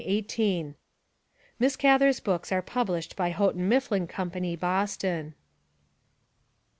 Miss Gather's books are published by Houghton MifHin Company, Boston.